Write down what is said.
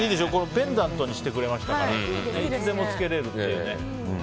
ペンダントにしてくれましたからいつでもつけれるというね。